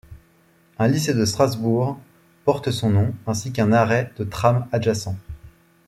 Un lycée de Strasbourg porte son nom, ainsi qu’un arrêt de tram adjacent.